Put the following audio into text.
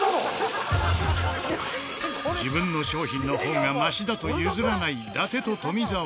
自分の商品の方がマシだと譲らない伊達と富澤。